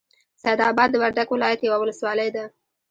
سیدآباد د وردک ولایت یوه ولسوالۍ ده.